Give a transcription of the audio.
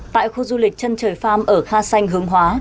tại khu du lịch trân trời farm ở kha sanh hướng hóa